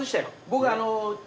僕あのう